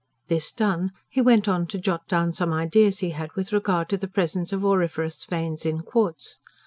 This done, he went on to jot down some ideas he had, with regard to the presence of auriferous veins in quartz.